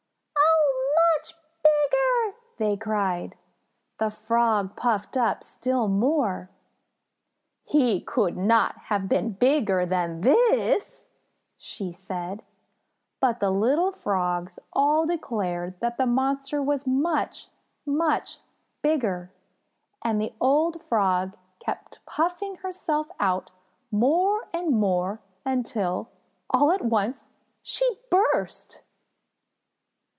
"Oh, much bigger!" they cried. The Frog puffed up still more. "He could not have been bigger than this," she said. But the little Frogs all declared that the monster was much, much bigger and the old Frog kept puffing herself out more and more until, all at once, she burst.